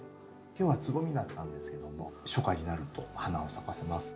今日はつぼみだったんですけども初夏になると花を咲かせます。